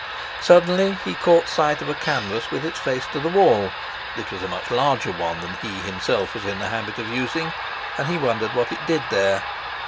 Suddenly he caught sight of a canvas with its face to the wall. It was a much larger one than he himself was in the habit of using, and he wondered what it did there.